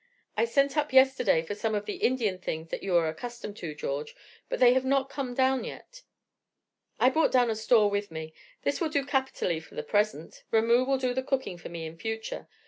"I sent up yesterday for some of the Indian things that you are accustomed to, George, but they have not come down yet." "I brought a store down with me. This will do capitally for the present. Ramoo will do the cooking for me in future.